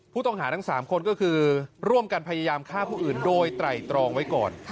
ผู้ต้องหาทั้ง๓คนก็คือร่วมกันพยายามฆ่าผู้อื่นโดยไตรตรองไว้ก่อน